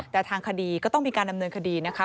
แต่ทางคดีก็ต้องมีการดำเนินคดีนะคะ